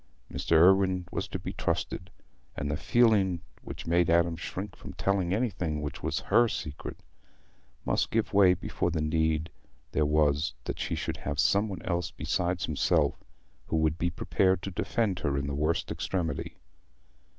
Mr. Irwine was to be trusted; and the feeling which made Adam shrink from telling anything which was her secret must give way before the need there was that she should have some one else besides himself who would be prepared to defend her in the worst extremity.